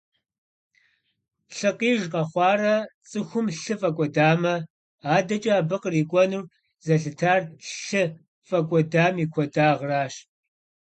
Лъыкъиж къэхъуарэ цӏыхум лъы фӏэкӏуэдамэ, адэкӏэ абы кърикӏуэнур зэлъытар лъы фӏэкӏуэдам и куэдагъращ.